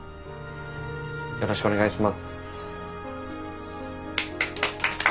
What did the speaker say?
よろしくお願いします。